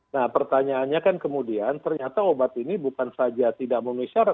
nah pertanyaannya kan kemudian ternyata obat ini bukan saja tidak memenuhi syarat